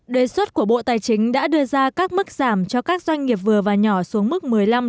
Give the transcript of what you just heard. đề xuất của bộ tài chính đã đưa ra các mức giảm cho các doanh nghiệp vừa và nhỏ xuống mức một mươi năm một mươi bảy